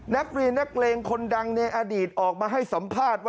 นักเรียนนักเลงคนดังในอดีตออกมาให้สัมภาษณ์ว่า